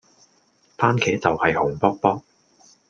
蕃茄就係紅卜卜